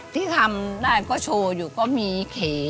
ที่ทำได้ก็โชว์อยู่ก็มีเข